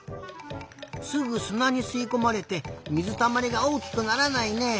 すぐすなにすいこまれて水たまりがおおきくならないね。